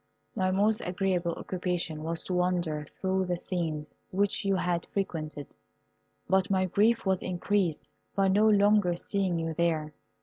My most agreeable occupation was to wander through the scenes which you had frequented, but my grief was increased by no longer seeing you there.